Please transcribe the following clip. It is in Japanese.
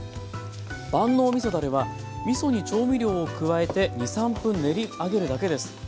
万能みそだれはみそに調味料を加えて２３分練り上げるだけです。